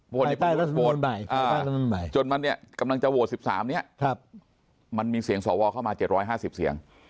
ไปใต้รัฐบาลใหม่ไปใต้รัฐบาลใหม่จนมันเนี่ยกำลังจะโหวต๑๓เนี่ยมันมีเสียงสวเข้ามา๗๕๐เสียง